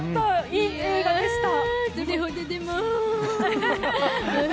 いい映画でした。